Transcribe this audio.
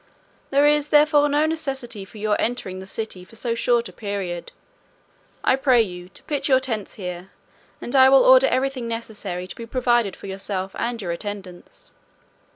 There is therefore no necessity for your entering the city for so short a period. I pray you to pitch your tents here, and I will order everything necessary to be provided for yourself and your attendants."